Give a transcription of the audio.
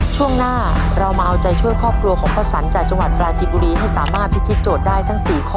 ช่วงหน้าเรามาเอาใจช่วยครอบครัวของพ่อสันจากจังหวัดปราจิบุรีให้สามารถพิธีโจทย์ได้ทั้ง๔ข้อ